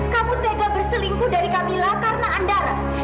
kamu tega berselingkuh dari kamila karena anda